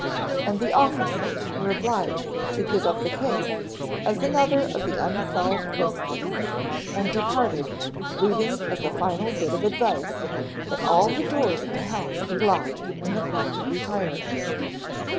And the officers were obliged to give up the case as another of the unsolved mysteries, and departed, leaving as a final bit of advice that all the doors in the house be locked when the family retired.